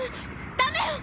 ダメよ！